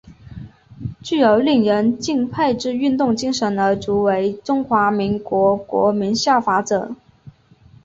具有令人感佩之运动精神而足为中华民国国民效法者。